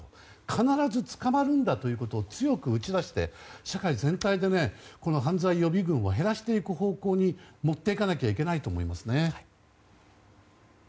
必ず捕まるんだということを強く打ち出して社会全体でこの犯罪予備軍を減らしていく方向に持っていかないといけないと思いますね。